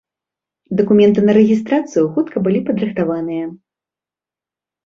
Дакументы на рэгістрацыю хутка былі падрыхтаваныя.